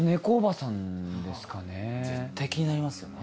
絶対気になりますよね。